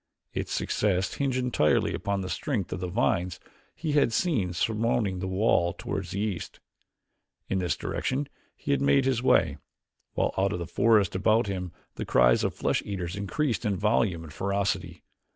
Its success hinged entirely upon the strength of the vines he had seen surmounting the wall toward the east. In this direction he made his way, while from out of the forest about him the cries of the flesh eaters increased in volume and ferocity.